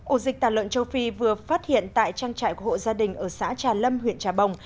ổ dịch tà lợn châu phi vừa phát hiện tại trang trại của hộ gia đình ở xã trà lâm huyện trà bồng